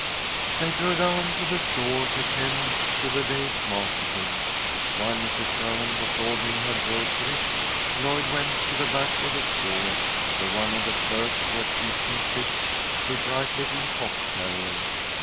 They drove down to the store to attend to the day's marketing. While Mrs. Sherman was ordering her groceries, Lloyd went to the back of the store, where one of the clerks was teaching tricks to a bright little fox terrier.